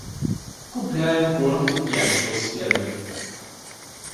Купляем корм у п'яніцаў з фермы.